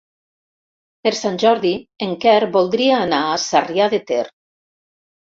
Per Sant Jordi en Quer voldria anar a Sarrià de Ter.